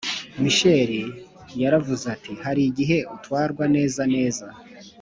Misheli yaravuze ati hari igihe utwarwa neza neza